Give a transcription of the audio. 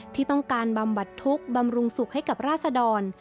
ที่ต้องการบำบัดทุกข์บำรุงสุขให้กับราศดร